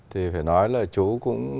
thì phải nói là chú cũng